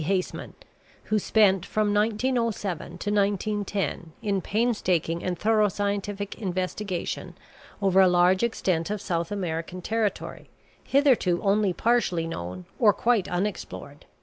Haseman, who spent from 1907 to 1910 in painstaking and thorough scientific investigation over a large extent of South American territory hitherto only partially known or quite unexplored.